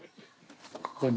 ここに。